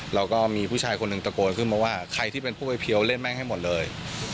และมีผู้ชายหนึ่งตะโกนมาว่าใครที่เป็นพวกไอ้เพียวเล่นแม่งให้หมดเลย